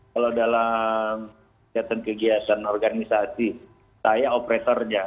kalau dalam kegiatan kegiatan organisasi saya operatornya